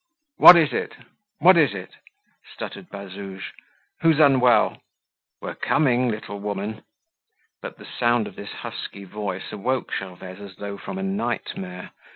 "What is it? what is it?" stuttered Bazouge; "who's unwell? We're coming, little woman!" But the sound of this husky voice awoke Gervaise as though from a nightmare.